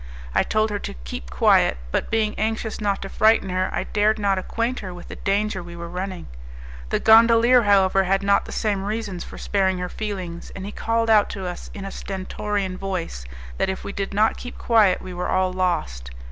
I told her to keep quiet, but, being anxious not to frighten her, I dared not acquaint her with the danger we were running. The gondolier, however, had not the same reasons for sparing her feelings, and he called out to us in a stentorian voice that, if we did not keep quiet, we were all lost.